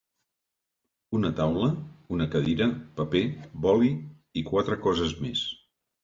Una taula, una cadira, paper, boli i quatre coses més.